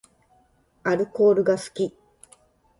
アルコールが好き